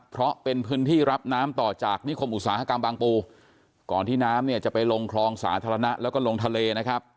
เพราะเป็นพื้นที่รับน้ำต่อจากนิคมอุตสาหกรรมบางปูก่อนที่น้ำเนี่ยจะไปลงคลองสาธารณะแล้วก็ลงทะเลนะครับ